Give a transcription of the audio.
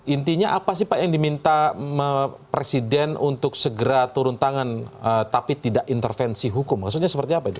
intinya apa sih pak yang diminta presiden untuk segera turun tangan tapi tidak intervensi hukum maksudnya seperti apa itu